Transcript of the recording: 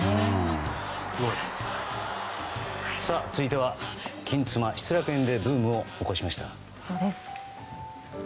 続いては「金妻」、「失楽園」でブームを起こしました。